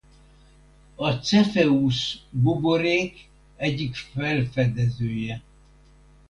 A Cefeusz-buborék egyik felfedezője.